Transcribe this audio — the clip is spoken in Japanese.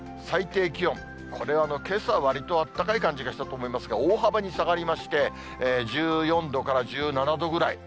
けさ、わりとあったかい感じがしたと思いますが、大幅に下がりまして、１４度から１７度ぐらい。